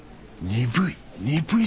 鈍い。